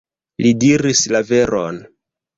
Li diris la veron!..